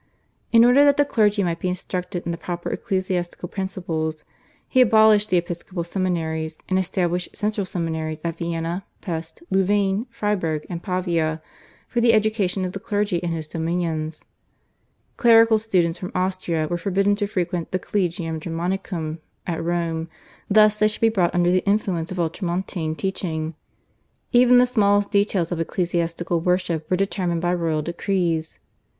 In order that the clergy might be instructed in the proper ecclesiastical principles, he abolished the episcopal seminaries, and established central seminaries at Vienna, Pest, Louvain, Freiburg, and Pavia for the education of the clergy in his dominions. Clerical students from Austria were forbidden to frequent the /Collegium Germanicum/ at Rome lest they should be brought under the influence of ultramontane teaching. Even the smallest details of ecclesiastical worship were determined by royal decrees.